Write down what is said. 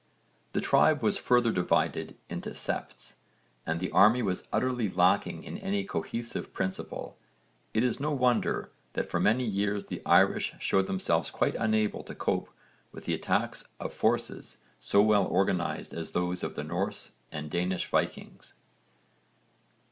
The tribe was further divided into septs and the army was utterly lacking in any cohesive principle. It is no wonder that for many years the Irish showed themselves quite unable to cope with the attacks of forces so well organised as those of the Norse and Danish Vikings.